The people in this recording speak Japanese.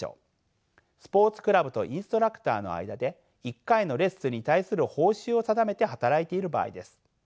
スポーツクラブとインストラクターの間で１回のレッスンに対する報酬を定めて働いている場合です。